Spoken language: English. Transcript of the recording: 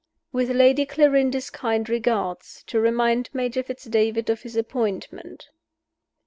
"With Lady Clarinda's kind regards. To remind Major Fitz David of his appointment."